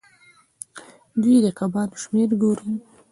دوی د کبانو شمیر ګوري.